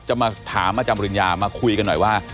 มาถามอาจารย์ปริญญามาคุยกันหน่อยว่า